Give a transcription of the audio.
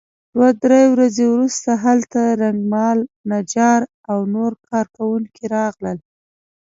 دوه درې ورځې وروسته هلته رنګمال نجار او نور کار کوونکي راغلل.